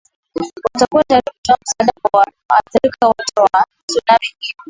watakuwa tayari kutoa msaada kwa waathirika wote wa sunami hiyo